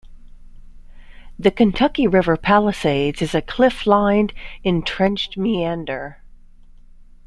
The Kentucky River Palisades is a cliff-lined entrenched meander.